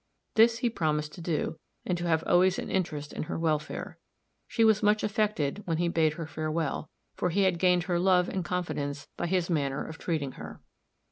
This he promised to do, and to have always an interest in her welfare. She was much affected when he bade her farewell, for he had gained her love and confidence by his manner of treating her.